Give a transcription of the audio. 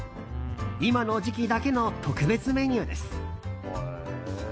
今の時期だけの特別メニューです。